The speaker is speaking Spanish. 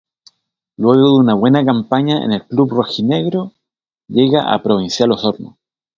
Luego de una buena campaña en el club rojinegro, llega a Provincial Osorno.